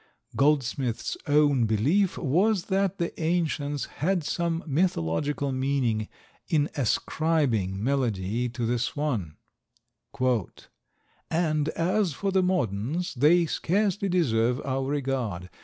Goldsmith's own belief was that the ancients had some mythological meaning in ascribing melody to the swan, "and as for the moderns, they scarcely deserve our regard.